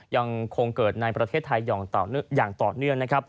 ยังคงเกิดในประเทศไทยอย่างต่อเนื่องนะครับ